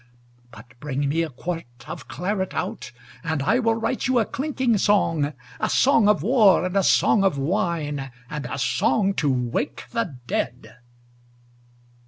But bring me a quart of claret out, And I will write you a clinking song, A song of war and a song of wine And a song to wake the dead.